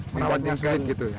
penawatan sulit gitu ya